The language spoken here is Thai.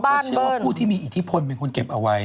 ก็เชื่อว่าผู้ที่มีอิทธิพลเป็นคนเก็บเอาไว้